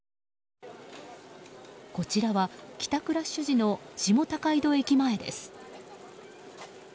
こちらは帰宅ラッシュ時の下高井戸駅前です。